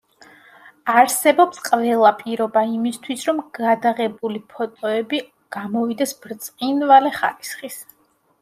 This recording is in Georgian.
არსებობს ყველა პირობა იმისათვის, რომ გადაღებული ფოტოები გამოვიდეს ბრწყინვალე ხარისხის.